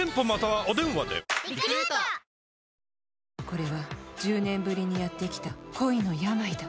これは１０年ぶりにやってきた恋の病だ。